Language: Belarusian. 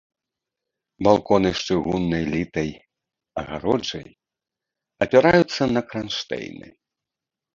Балконы з чыгуннай літай агароджай апіраюцца на кранштэйны.